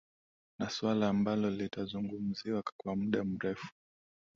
na suala ambalo litazungumziwa kwa muda mrefu